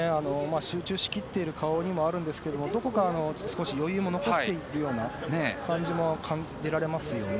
集中しきっている顔でもあるんですがどこか少し余裕も残しているようにも感じられますよね。